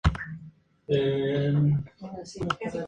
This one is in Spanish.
Los calores me sentí más como una semifinal.